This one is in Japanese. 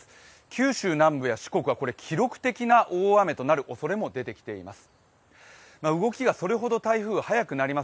九州南部や四国は記録的な大雨となるおそれも出てきています。